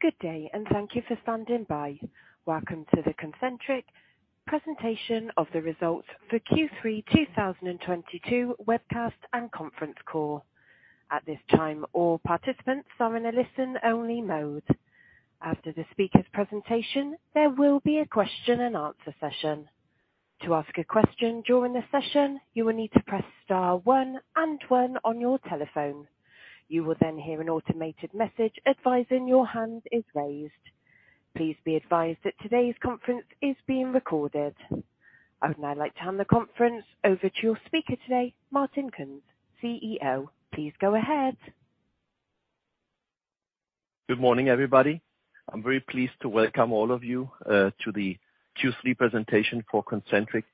Good day, and thank you for standing by. Welcome to the Concentric presentation of the results for Q3 2022 webcast and conference call. At this time, all participants are in a listen-only mode. After the speaker's presentation, there will be a question and answer session. To ask a question during the session, you will need to press star one and one on your telephone. You will then hear an automated message advising your hand is raised. Please be advised that today's conference is being recorded. I would now like to hand the conference over to your speaker today, Martin Kunz, CEO. Please go ahead. Good morning, everybody. I'm very pleased to welcome all of you to the Q3 presentation for Concentric.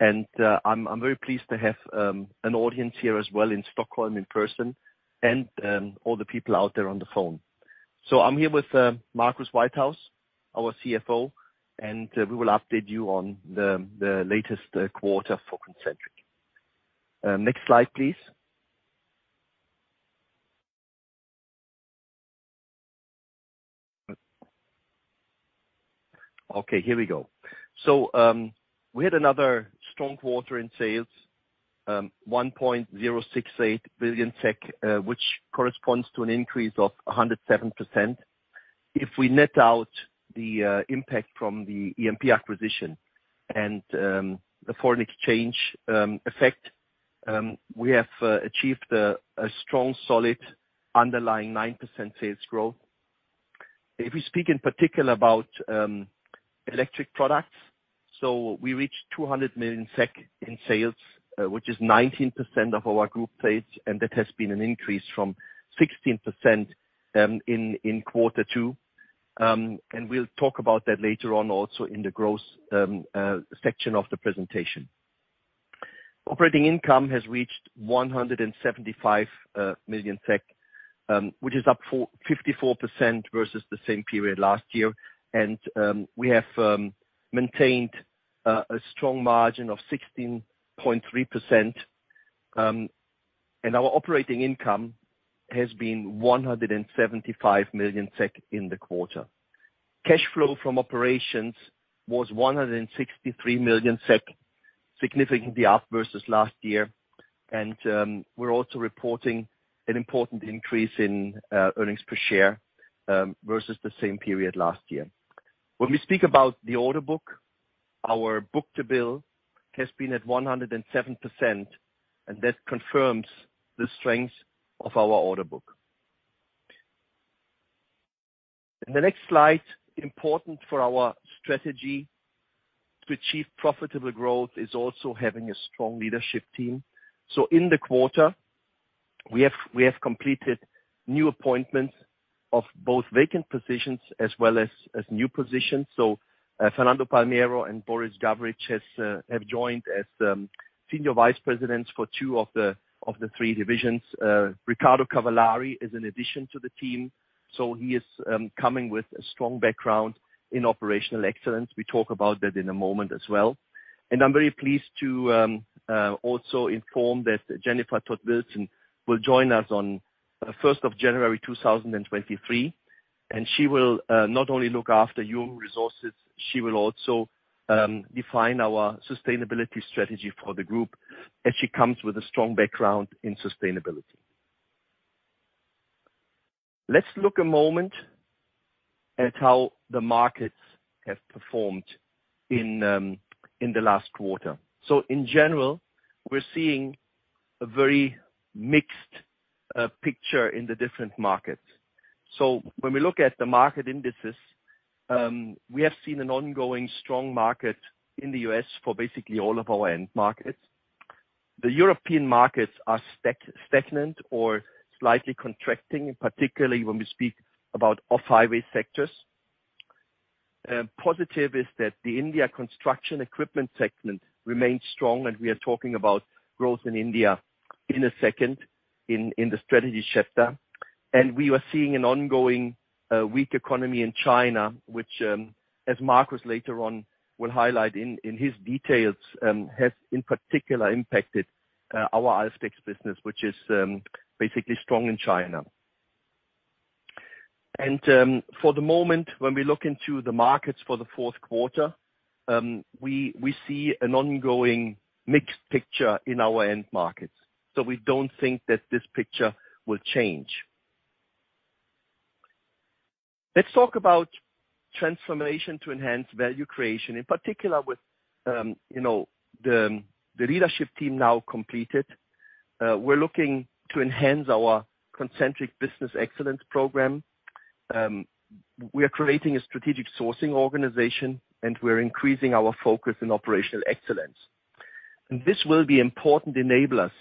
I'm very pleased to have an audience here as well in Stockholm in person and all the people out there on the phone. I'm here with Marcus Whitehouse, our CFO, and we will update you on the latest quarter for Concentric. Next slide, please. Okay, here we go. We had another strong quarter in sales, 1.068 billion, which corresponds to an increase of 107%. If we net out the impact from the EMP acquisition and the foreign exchange effect, we have achieved a strong, solid underlying 9% sales growth. If we speak in particular about electric products, so we reached 200 million SEK in sales, which is 19% of our group sales, and that has been an increase from 16% in quarter two. We'll talk about that later on also in the growth section of the presentation. Operating income has reached 175 million SEK, which is up 54% versus the same period last year. We have maintained a strong margin of 16.3%, and our operating income has been 175 million SEK in the quarter. Cash flow from operations was 163 million SEK, significantly up versus last year. We're also reporting an important increase in earnings per share versus the same period last year. When we speak about the order book, our book-to-bill has been at 107%, and that confirms the strength of our order book. In the next slide, important for our strategy to achieve profitable growth is also having a strong leadership team. In the quarter we have completed new appointments of both vacant positions as well as new positions. Fernando Palmeiro and Boris Gavrilovic have joined as Senior Vice Presidents for two of the three divisions. Riccardo Cavallari is an addition to the team, so he is coming with a strong background in operational excellence. We talk about that in a moment as well. I'm very pleased to also inform that Jennifer Todd-Wilson will join us on first of January 2023. She will not only look after human resources, she will also define our sustainability strategy for the group, and she comes with a strong background in sustainability. Let's look a moment at how the markets have performed in the last quarter. In general, we're seeing a very mixed picture in the different markets. When we look at the market indices, we have seen an ongoing strong market in the U.S. for basically all of our end markets. The European markets are stagnant or slightly contracting, particularly when we speak about off-highway sectors. Positive is that the India construction equipment segment remains strong, and we are talking about growth in India in a second in the strategy chapter. We are seeing an ongoing weak economy in China, which, as Marcus later on will highlight in his details, has in particular impacted our Alfdex business, which is basically strong in China. For the moment, when we look into the markets for the fourth quarter, we see an ongoing mixed picture in our end markets. We don't think that this picture will change. Let's talk about transformation to enhance value creation. In particular with the leadership team now completed, we're looking to enhance our Concentric Business Excellence program. We are creating a strategic sourcing organization, and we're increasing our focus in operational excellence. This will be important enablers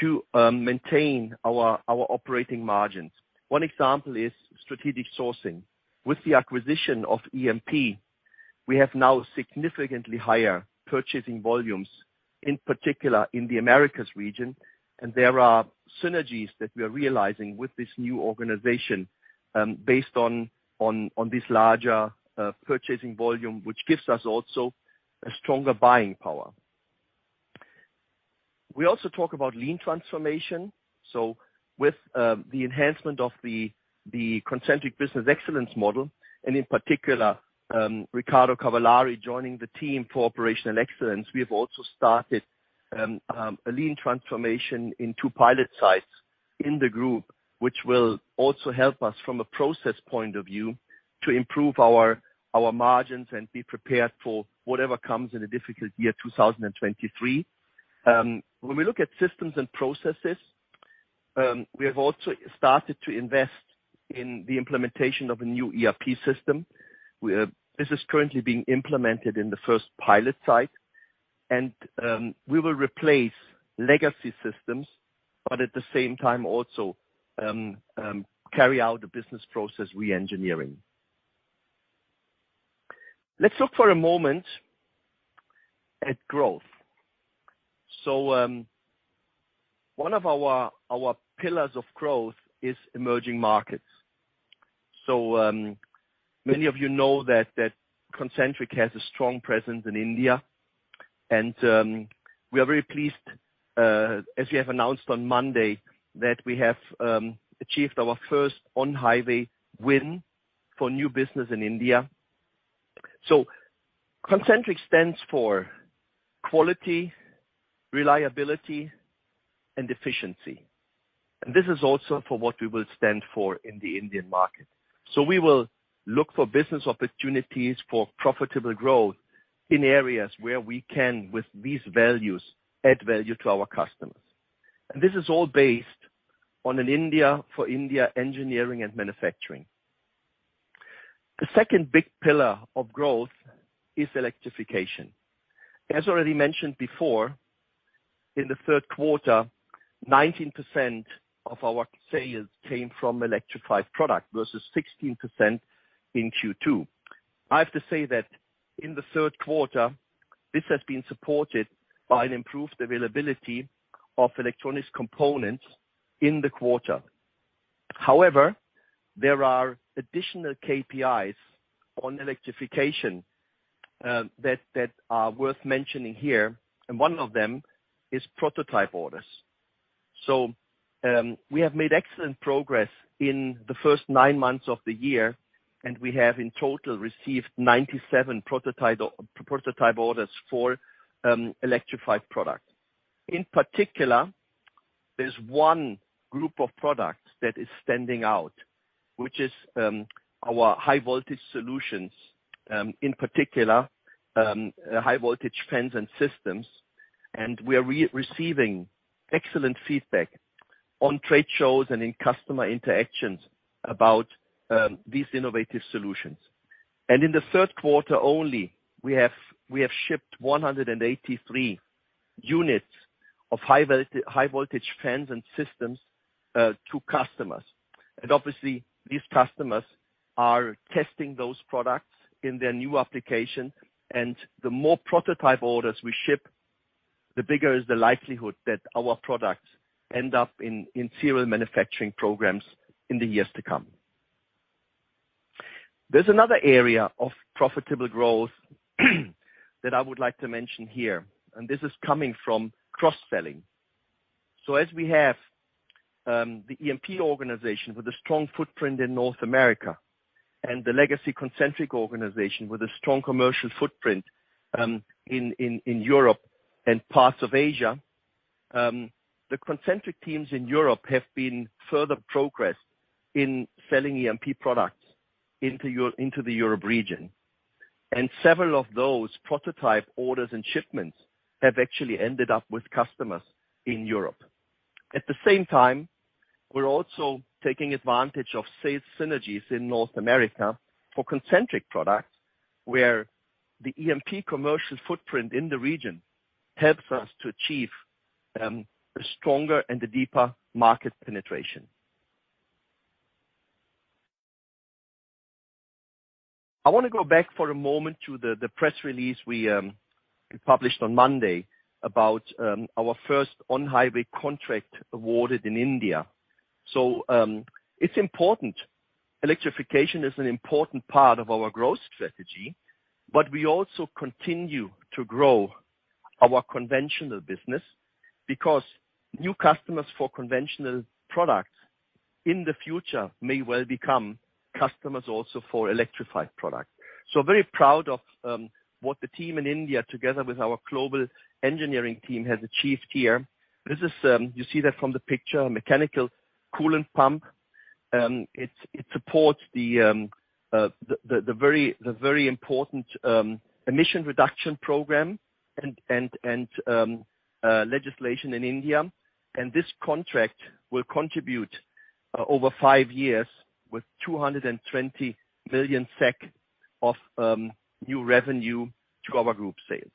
to maintain our operating margins. One example is strategic sourcing. With the acquisition of EMP, we have now significantly higher purchasing volumes, in particular in the Americas region. There are synergies that we are realizing with this new organization, based on this larger purchasing volume, which gives us also a stronger buying power. We also talk about lean transformation. With the enhancement of the Concentric Business Excellence Model, and in particular, Riccardo Cavallari joining the team for operational excellence, we have also started a lean transformation in two pilot sites in the group, which will also help us from a process point of view, to improve our margins and be prepared for whatever comes in a difficult year, 2023. When we look at systems and processes, we have also started to invest in the implementation of a new ERP system. This is currently being implemented in the first pilot site. We will replace legacy systems, but at the same time also carry out the business process re-engineering. Let's look for a moment at growth. One of our pillars of growth is emerging markets. Many of you know that Concentric has a strong presence in India, and we are very pleased as we have announced on Monday, that we have achieved our first on-highway win for new business in India. Concentric stands for quality, reliability, and efficiency. This is also for what we will stand for in the Indian market. We will look for business opportunities for profitable growth in areas where we can, with these values, add value to our customers. This is all based on an India for India engineering and manufacturing. The second big pillar of growth is electrification. As already mentioned before, in the third quarter, 19% of our sales came from electrified product, versus 16% in Q2. I have to say that in the third quarter, this has been supported by an improved availability of electronics components in the quarter. However, there are additional KPIs on electrification that are worth mentioning here, and one of them is prototype orders. We have made excellent progress in the first nine months of the year, and we have in total received 97 prototype orders for electrified products. In particular, there's one group of products that is standing out, which is our high-voltage solutions, in particular, high-voltage fans and systems. We are receiving excellent feedback on trade shows and in customer interactions about these innovative solutions. In the third quarter only, we have shipped 183 units of high-voltage fans and systems to customers. Obviously, these customers are testing those products in their new application. The more prototype orders we ship, the bigger is the likelihood that our products end up in serial manufacturing programs in the years to come. There's another area of profitable growth that I would like to mention here, and this is coming from cross-selling. As we have the EMP organization with a strong footprint in North America and the legacy Concentric organization with a strong commercial footprint in Europe and parts of Asia, the Concentric teams in Europe have been further progress in selling EMP products into the Europe region. Several of those prototype orders and shipments have actually ended up with customers in Europe. At the same time, we're also taking advantage of sales synergies in North America for Concentric products, where the EMP commercial footprint in the region helps us to achieve a stronger and a deeper market penetration. I wanna go back for a moment to the press release we published on Monday about our first on-highway contract awarded in India. It's important. Electrification is an important part of our growth strategy, but we also continue to grow our conventional business because new customers for conventional products in the future may well become customers also for electrified products. Very proud of what the team in India, together with our global engineering team, has achieved here. This is, you see that from the picture, a mechanical coolant pump. It supports the very important emission reduction program and legislation in India. This contract will contribute over five years with 220 million SEK of new revenue to our group sales.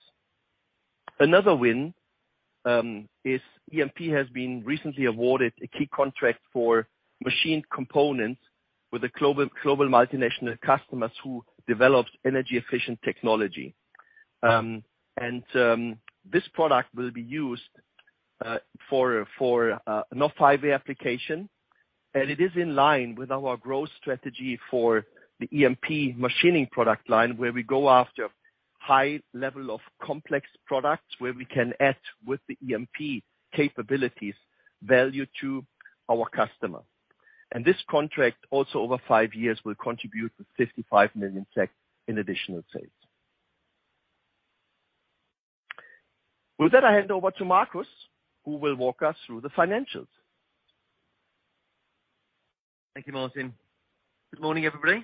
Another win is EMP has been recently awarded a key contract for machined components with a global multinational customers who developed energy-efficient technology. This product will be used for an off-highway application. It is in line with our growth strategy for the EMP machining product line, where we go after high level of complex products, where we can add with the EMP capabilities value to our customer. This contract also over five years will contribute to 55 million SEK in additional sales. With that, I hand over to Marcus, who will walk us through the financials. Thank you, Martin. Good morning, everybody.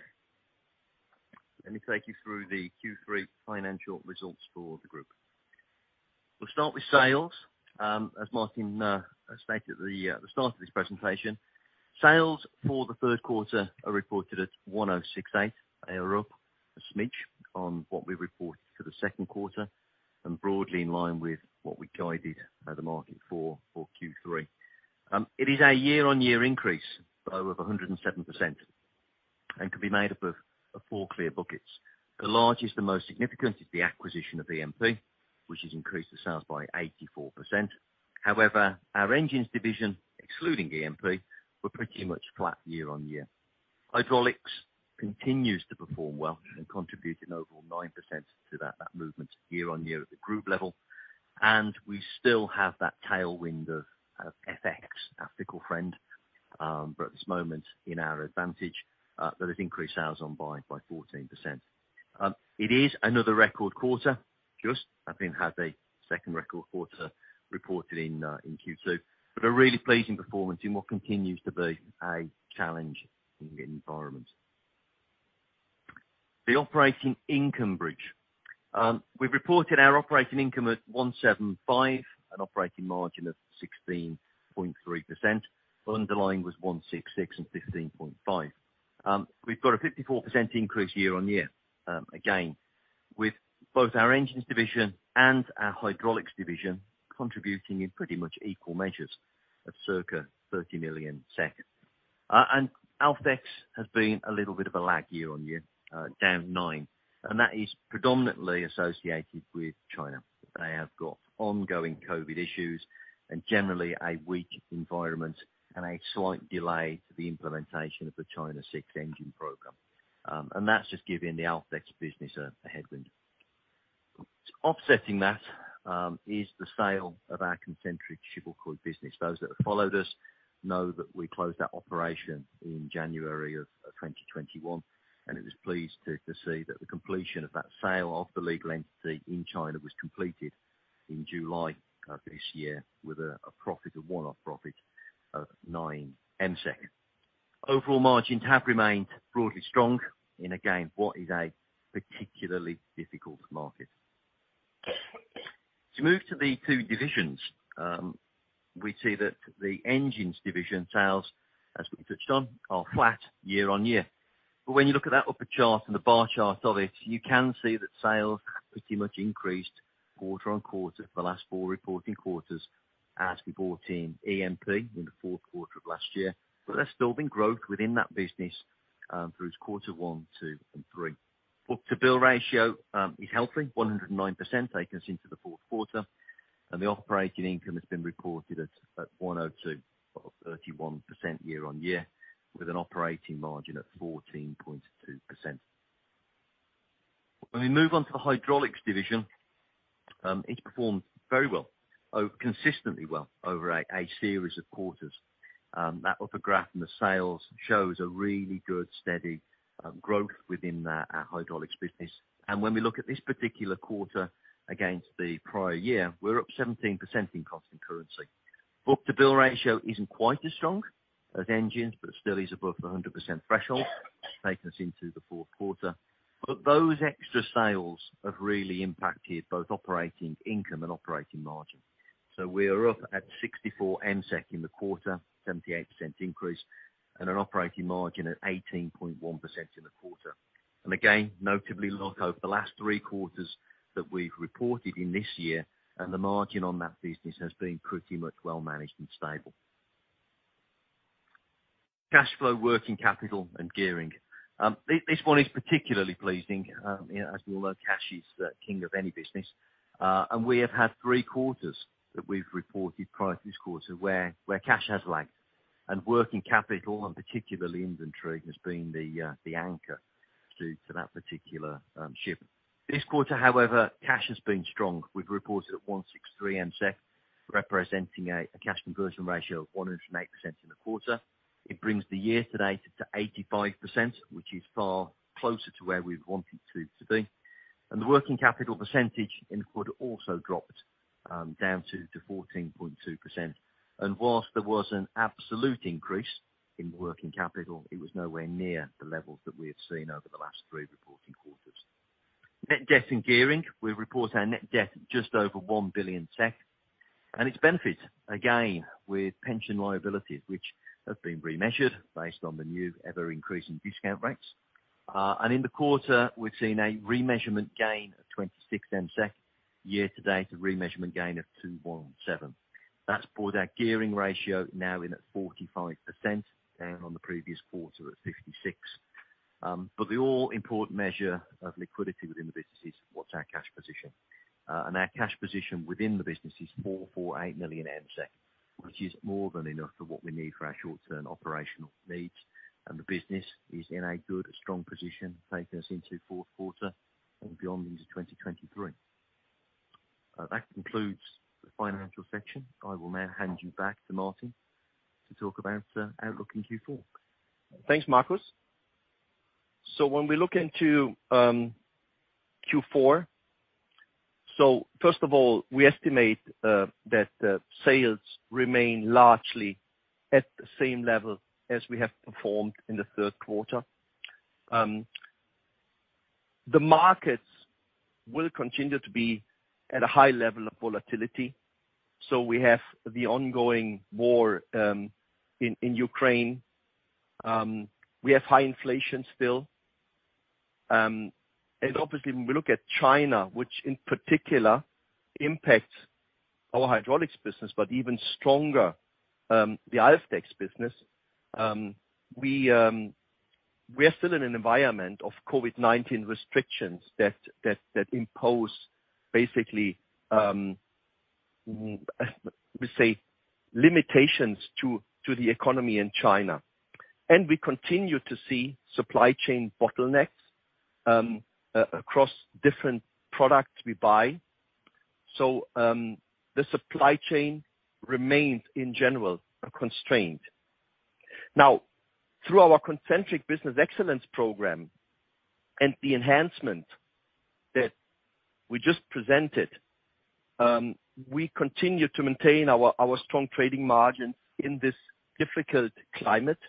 Let me take you through the Q3 financial results for the group. We'll start with sales. As Martin stated at the start of this presentation, sales for the third quarter are reported at 1,068. They are up a smidge on what we reported for the second quarter and broadly in line with what we guided the market for Q3. It is a year-on-year increase, though, of 107% and can be made up of four clear buckets. The largest and most significant is the acquisition of EMP, which has increased the sales by 84%. However, our engines division, excluding EMP, were pretty much flat year-on-year. Hydraulics continues to perform well and contributed an overall 9% to that movement year-on-year at the group level. We still have that tailwind of FX, our fickle friend, but at this moment in our advantage, that has increased sales by 14%. It is another record quarter. Just having had a second record quarter reported in Q2, but a really pleasing performance in what continues to be a challenging environment. The operating income bridge. We reported our operating income at 175, an operating margin of 16.3%. Underlying was 166 and 15.5%. We've got a 54% increase year-on-year, again, with both our engines division and our hydraulics division contributing in pretty much equal measures of circa 30 million. Alfdex has been a little bit of a lag year-on-year, down 9%, and that is predominantly associated with China. They have got ongoing COVID issues and generally a weak environment and a slight delay to the implementation of the China VI engine program. That's just giving the Alfdex business a headwind. Offsetting that is the sale of our Concentric cable coil business. Those that have followed us know that we closed that operation in January of 2021, and it was pleasing to see that the completion of that sale of the legal entity in China was completed in July of this year with a one-off profit of 9 million. Overall margins have remained broadly strong, again, what is a particularly difficult market. To move to the two divisions, we see that the engines division sales, as we touched on, are flat year-on-year. When you look at that upper chart and the bar chart of it, you can see that sales pretty much increased quarter-on-quarter for the last four reporting quarters as we brought in EMP in the fourth quarter of last year. There's still been growth within that business through quarters one, two, and three. Book-to-bill ratio is healthy, 109% taking us into the fourth quarter. The operating income has been reported at 102, or 31% year-on-year, with an operating margin at 14.2%. When we move on to the hydraulics division, it's performed very well, consistently well over a series of quarters. That upper graph in the sales shows a really good, steady growth within our hydraulics business. When we look at this particular quarter against the prior year, we're up 17% in constant currency. Book-to-bill ratio isn't quite as strong as engines, but still is above the 100% threshold taking us into the fourth quarter. Those extra sales have really impacted both operating income and operating margin. We are up at 64 million in the quarter, 78% increase, and an operating margin at 18.1% in the quarter. Again, notably look over the last three quarters that we've reported in this year, and the margin on that business has been pretty much well managed and stable. Cash flow, working capital, and gearing. This one is particularly pleasing. You know, as we all know, cash is the king of any business. We have had three quarters that we've reported prior to this quarter where cash has lagged, and working capital, and particularly inventory, has been the anchor to that particular ship. This quarter, however, cash has been strong. We've reported 163 million, representing a cash conversion ratio of 108% in the quarter. It brings the year-to-date to 85%, which is far closer to where we want it to be. The working capital percentage in the quarter also dropped down to 14.2%. While there was an absolute increase in working capital, it was nowhere near the levels that we had seen over the last three reporting quarters. Net debt and gearing. We report our net debt at just over 1 billion, and it's benefited again with pension liabilities, which have been remeasured based on the new ever-increasing discount rates. In the quarter, we've seen a remeasurement gain of 26 million, year-to-date a remeasurement gain of 217 million. That's brought our gearing ratio now in at 45%, down on the previous quarter at 56%. The all important measure of liquidity within the business is what's our cash position. Our cash position within the business is 448 million, which is more than enough for what we need for our short-term operational needs. The business is in a good, strong position, taking us into fourth quarter and beyond into 2023. That concludes the financial section. I will now hand you back to Martin to talk about outlook in Q4. Thanks, Marcus. When we look into Q4, first of all, we estimate that sales remain largely at the same level as we have performed in the third quarter. The markets will continue to be at a high level of volatility. We have the ongoing war in Ukraine. We have high inflation still. Obviously, when we look at China, which in particular impacts our hydraulics business, but even stronger, the Alfdex business, we are still in an environment of COVID-19 restrictions that impose basically limitations to the economy in China. We continue to see supply chain bottlenecks across different products we buy. The supply chain remains, in general, a constraint. Through our Concentric Business Excellence program and the enhancement that we just presented, we continue to maintain our strong trading margins in this difficult climate,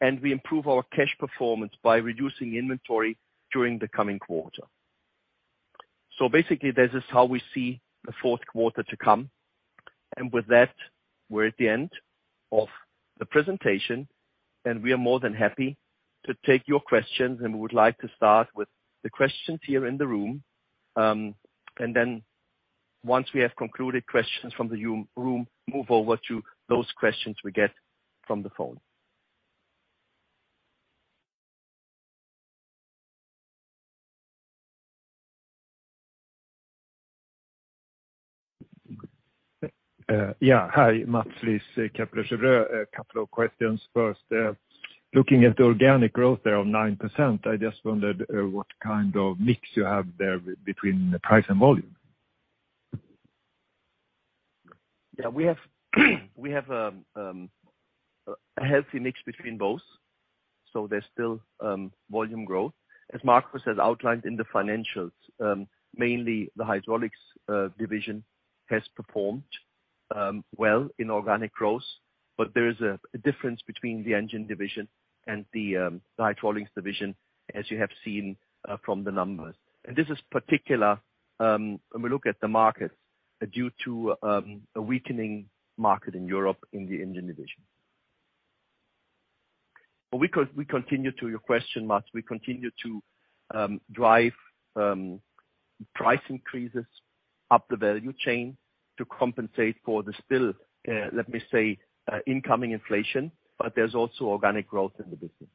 and we improve our cash performance by reducing inventory during the coming quarter. Basically, this is how we see the fourth quarter to come. With that, we're at the end of the presentation, and we are more than happy to take your questions, and we would like to start with the questions here in the room. Once we have concluded questions from the room, move over to those questions we get from the phone. Hi, Mats Liss. Mm-hmm. Kepler Cheuvreux. A couple of questions. First, looking at the organic growth there of 9%, I just wondered, what kind of mix you have there between the price and volume? We have a healthy mix between both. There's still volume growth. As Marcus has outlined in the financials, mainly the hydraulics division has performed well in organic growth. There is a difference between the engine division and the hydraulics division, as you have seen from the numbers. This is particular when we look at the markets due to a weakening market in Europe in the engine division. To your question, Mats, we continue to drive price increases up the value chain to compensate for the still, let me say, incoming inflation, but there's also organic growth in the business.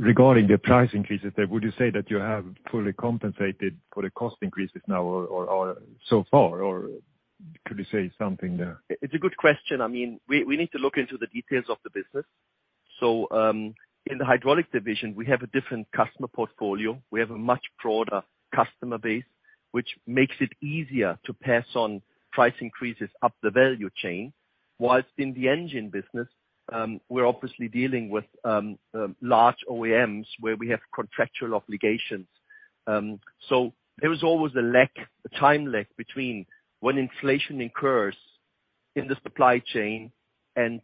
Regarding the price increases there, would you say that you have fully compensated for the cost increases now or so far, or could you say something there? It's a good question. I mean, we need to look into the details of the business. In the hydraulics division, we have a different customer portfolio. We have a much broader customer base, which makes it easier to pass on price increases up the value chain. While in the engine business, we're obviously dealing with large OEMs where we have contractual obligations. There is always a time lag between when inflation occurs in the supply chain and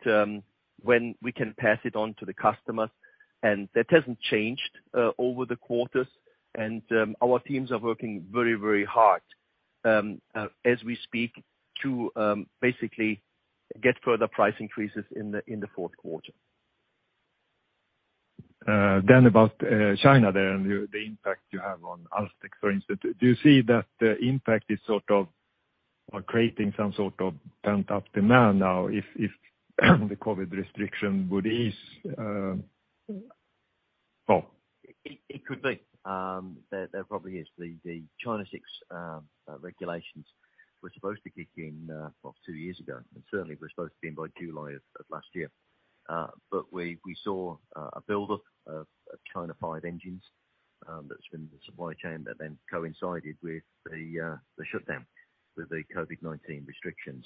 when we can pass it on to the customers, and that hasn't changed over the quarters. Our teams are working very, very hard as we speak to basically get further price increases in the fourth quarter. About China there and the impact you have on Alfdex, for instance. Do you see that the impact is sort of or creating some sort of pent-up demand now if the COVID restriction would ease? It could be. There probably is. The China VI regulations were supposed to kick in, well, two years ago, and certainly were supposed to be in by July of last year. We saw a buildup of China V engines that's been the supply chain that then coincided with the shutdown with the COVID-19 restrictions.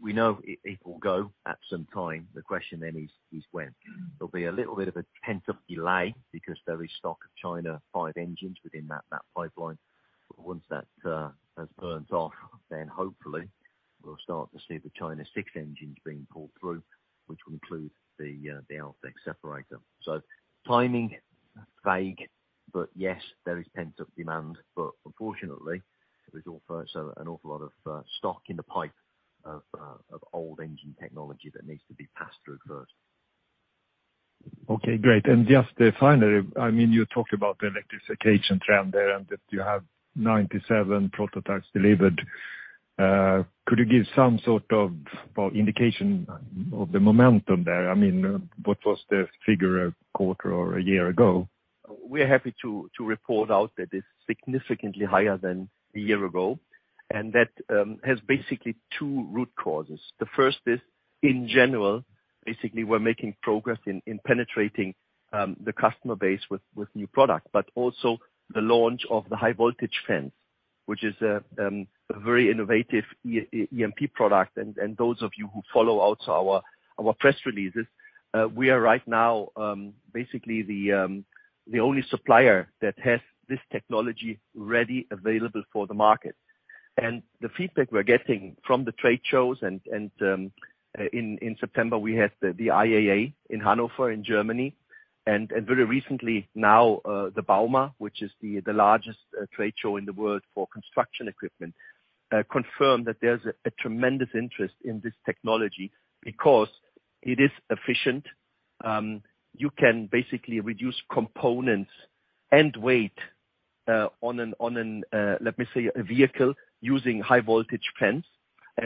We know it will go at some time. The question then is when. There'll be a little bit of a pent-up delay because there is stock of China V engines within that pipeline. Once that has burnt off, then hopefully we'll start to see the China VI engines being pulled through, which will include the Alfdex separator. Timing, vague, but yes, there is pent-up demand. Unfortunately, there's also an awful lot of stock in the pipe of old engine technology that needs to be passed through first. Okay, great. Just finally, I mean, you talked about the electrification trend there and that you have 97 prototypes delivered. Could you give some sort of, well, indication of the momentum there? I mean, what was the figure a quarter or a year ago? We're happy to report out that it's significantly higher than a year ago, and that has basically two root causes. The first is, in general, basically, we're making progress in penetrating the customer base with new product, but also the launch of the High Voltage eFan, which is a very innovative e-EMP product. Those of you who follow also our press releases, we are right now basically the only supplier that has this technology ready, available for the market. The feedback we're getting from the trade shows in September, we had the IAA in Hannover, in Germany, and very recently now, the bauma, which is the largest trade show in the world for construction equipment, confirmed that there's a tremendous interest in this technology because it is efficient. You can basically reduce components and weight on a, let me say, vehicle using high-voltage fans.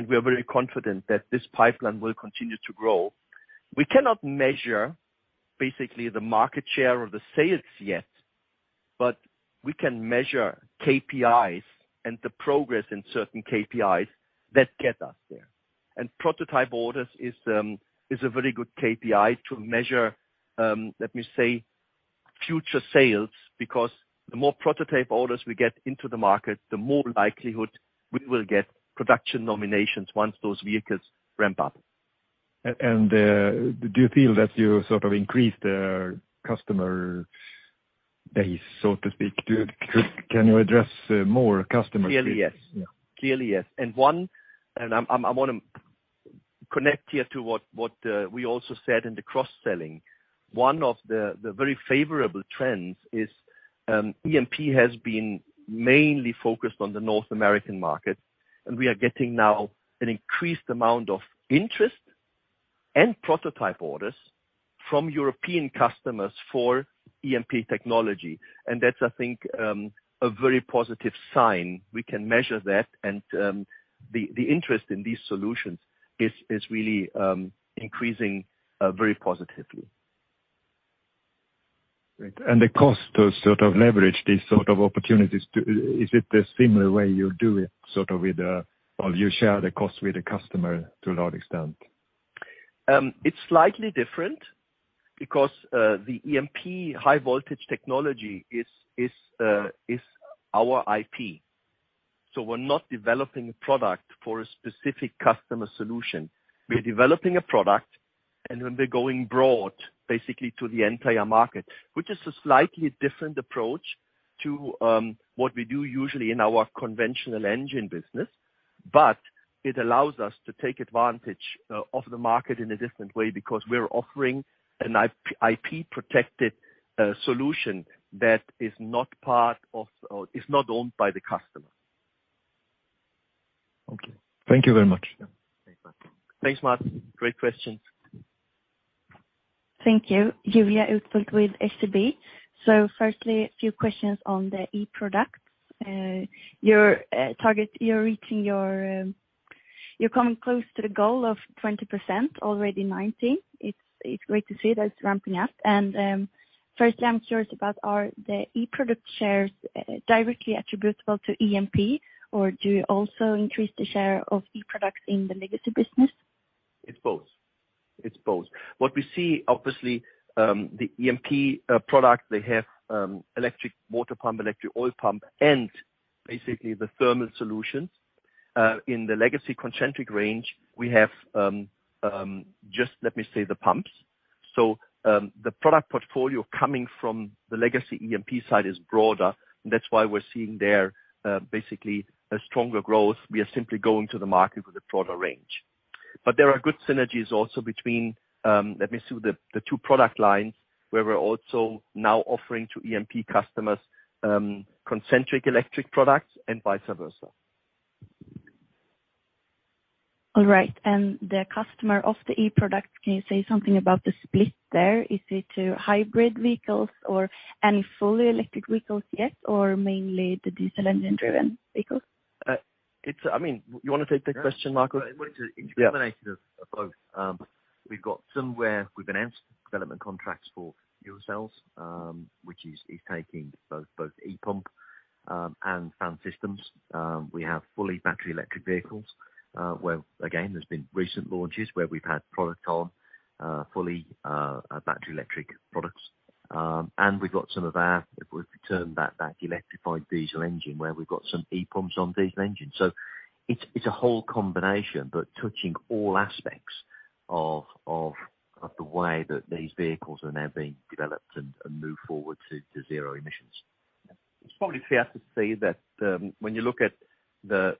We are very confident that this pipeline will continue to grow. We cannot measure basically the market share or the sales yet, but we can measure KPIs and the progress in certain KPIs that get us there. Prototype orders is a very good KPI to measure, let me say, future sales, because the more prototype orders we get into the market, the more likelihood we will get production nominations once those vehicles ramp up. Do you feel that you sort of increased their customer base, so to speak? Can you address more customers? Clearly, yes. Yeah. Clearly, yes. I'm I wanna connect here to what we also said in the cross-selling. One of the very favorable trends is EMP has been mainly focused on the North American market, and we are getting now an increased amount of interest and prototype orders from European customers for EMP technology. That's, I think, a very positive sign. We can measure that, and the interest in these solutions is really increasing very positively. Great. The cost to sort of leverage these sort of opportunities, is it the similar way you do it sort of with the, or you share the cost with the customer to a large extent? It's slightly different because the EMP high voltage technology is our IP. We're not developing a product for a specific customer solution. We're developing a product, and then we're going broad, basically to the entire market, which is a slightly different approach to what we do usually in our conventional engine business. It allows us to take advantage of the market in a different way because we're offering an IP-protected solution that is not part of, or is not owned by the customer. Okay. Thank you very much. Thanks, Mats. Great questions. Thank you. Julia Utberg with SEB. Firstly, a few questions on the e-products. Your target, you're coming close to the goal of 20%, already 19%. It's great to see that it's ramping up. Firstly, I'm curious about, are the e-product shares directly attributable to EMP, or do you also increase the share of e-products in the legacy business? It's both. What we see, obviously, the EMP product they have electric water pump, electric oil pump, and basically the thermal solutions. In the legacy Concentric range, we have just, let me say, the pumps. The product portfolio coming from the legacy EMP side is broader. That's why we're seeing there basically a stronger growth. We are simply going to the market with a broader range. There are good synergies also between let me see, the two product lines, where we're also now offering to EMP customers Concentric electric products and vice versa. All right. The customer of the e-product, can you say something about the split there? Is it to hybrid vehicles or any fully electric vehicles yet, or mainly the diesel engine-driven vehicles? I mean, you wanna take the question, Marcus? Yeah. Well. Yeah It's a combination of both. We've got some where we've announced development contracts for fuel cells, which is taking both ePump and fan systems. We have fully battery electric vehicles, where again, there's been recent launches where we've had product on fully battery electric products. We've got some of our, what we term that electrified diesel engine, where we've got some ePumps on diesel engines. It's a whole combination, but touching all aspects of the way that these vehicles are now being developed and move forward to zero emissions. It's probably fair to say that, when you look at the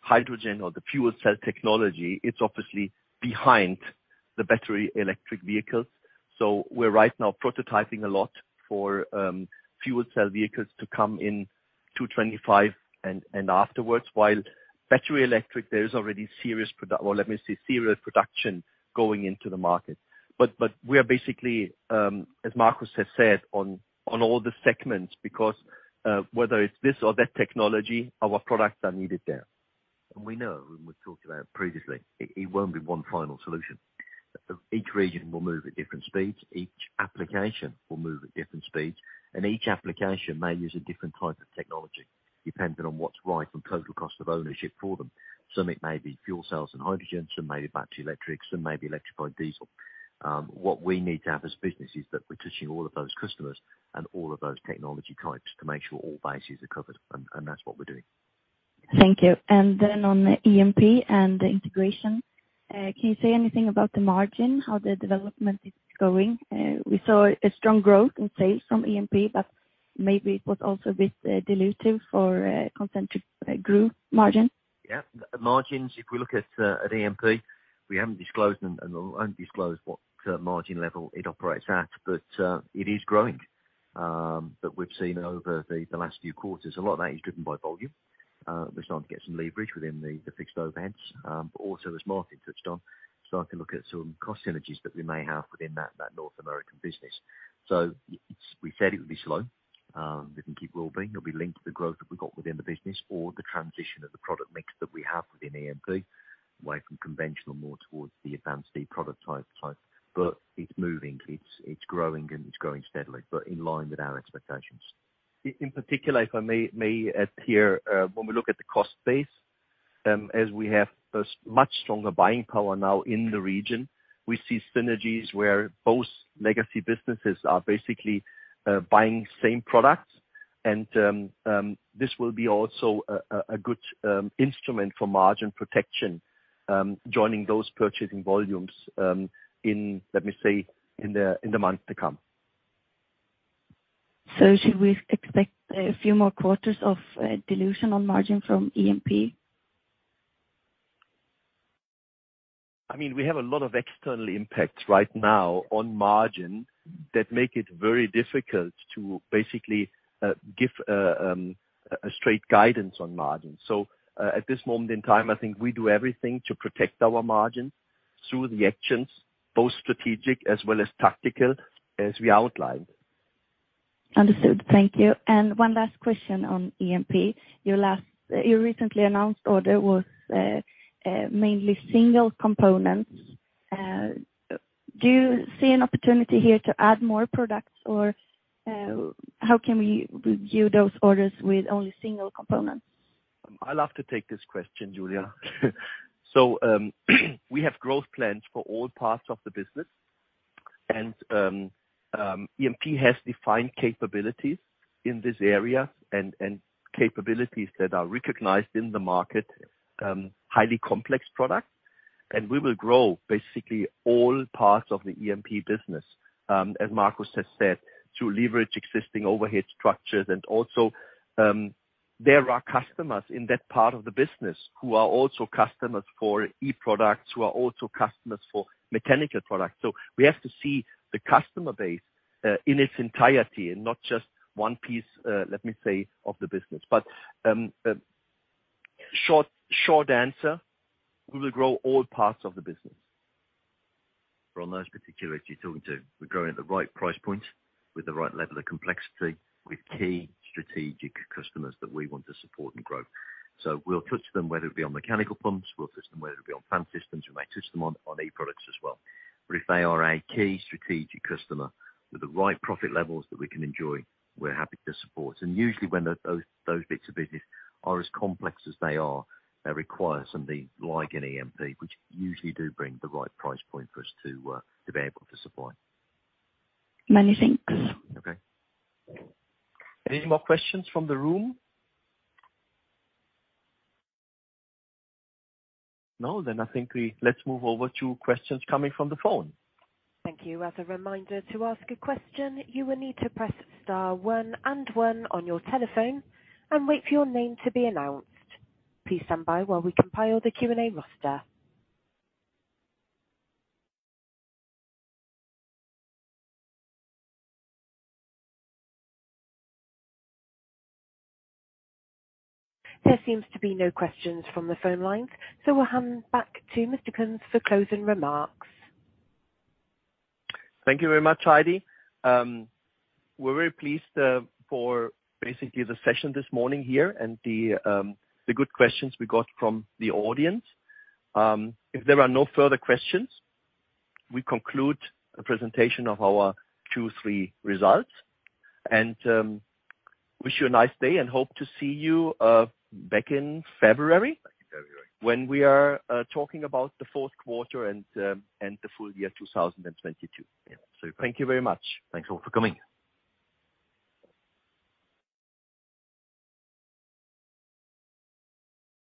hydrogen or the fuel cell technology, it's obviously behind the battery electric vehicles. We're right now prototyping a lot for fuel cell vehicles to come in 2025 and afterwards, while battery electric, there is already serious production going into the market. We are basically, as Marcus has said, on all the segments because, whether it's this or that technology, our products are needed there. We know, and we've talked about previously, it won't be one final solution. Each region will move at different speeds. Each application will move at different speeds, and each application may use a different type of technology depending on what's right from total cost of ownership for them. Some, it may be fuel cells and hydrogen. Some may be battery electric. Some may be electrified diesel. What we need to have as business is that we're touching all of those customers and all of those technology types to make sure all bases are covered, and that's what we're doing. Thank you. On EMP and the integration, can you say anything about the margin, how the development is going? We saw a strong growth in sales from EMP, but maybe it was also a bit dilutive for Concentric group margin. Yeah. Margins, if we look at EMP, we haven't disclosed them and we won't disclose what margin level it operates at, but it is growing. We've seen over the last few quarters, a lot of that is driven by volume. We're starting to get some leverage within the fixed overheads. Also as Marcus touched on, starting to look at some cost synergies that we may have within that North American business. It's. We said it would be slow. It can keep rolling. It'll be linked to the growth that we've got within the business or the transition of the product mix that we have within EMP, away from conventional and more towards the advanced product type. It's moving, it's growing and it's growing steadily, but in line with our expectations. In particular, if I may add here, when we look at the cost base, as we have a much stronger buying power now in the region, we see synergies where both legacy businesses are basically buying same products. This will be also a good instrument for margin protection, joining those purchasing volumes, in let me say, in the months to come. Should we expect a few more quarters of dilution on margin from EMP? I mean, we have a lot of external impacts right now on margin that make it very difficult to basically give a straight guidance on margin. At this moment in time, I think we do everything to protect our margin through the actions, both strategic as well as tactical, as we outlined. Understood. Thank you. One last question on EMP. Your recently announced order was mainly single components. Do you see an opportunity here to add more products? Or, how can we view those orders with only single components? I'll have to take this question, Julia Utberg. We have growth plans for all parts of the business, and EMP has defined capabilities in this area and capabilities that are recognized in the market, highly complex products. We will grow basically all parts of the EMP business, as Marcus Whitehouse has said, to leverage existing overhead structures. There are customers in that part of the business who are also customers for e-products, who are also customers for mechanical products. We have to see the customer base in its entirety and not just one piece, let me say, of the business. Short answer, we will grow all parts of the business. Focusing on those particular, if you're talking about, we're growing at the right price point with the right level of complexity with key strategic customers that we want to support and grow. We'll touch them, whether it be on mechanical pumps. We'll touch them, whether it be on fan systems. We may touch them on e-products as well. But if they are a key strategic customer with the right profit levels that we can enjoy, we're happy to support. Usually when those bits of business are as complex as they are, they require something like an EMP, which usually do bring the right price point for us to be able to supply. Many thanks. Okay. Any more questions from the room? No? I think let's move over to questions coming from the phone. Thank you. As a reminder, to ask a question, you will need to press star one and one on your telephone and wait for your name to be announced. Please stand by while we compile the Q&A roster. There seems to be no questions from the phone lines, so we'll hand back to Mr. Kunz for closing remarks. Thank you very much, Heidi. We're very pleased for basically the session this morning here and the good questions we got from the audience. If there are no further questions, we conclude the presentation of our Q3 results and wish you a nice day and hope to see you back in February. Back in February. -when we are talking about the fourth quarter and the full-year 2022. Yeah. Thank you very much. Thanks all for coming.